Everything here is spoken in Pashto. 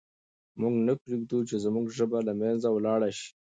موږ نه پرېږدو چې زموږ ژبه له منځه ولاړه سي.